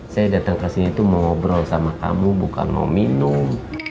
saya datang kesini tuh mau ngobrol sama kamu bukan mau minum